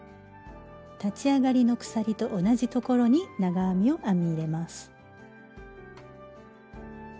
立ち上がりの鎖と同じところに長編みを編み入れます。